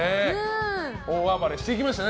大暴れしていきましたね